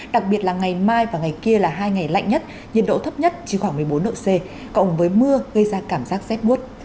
đặc biệt là ngày mai và ngày kia là hai ngày lạnh nhất nhiệt độ thấp nhất chỉ khoảng một mươi bốn độ c cộng với mưa gây ra cảm giác rét buốt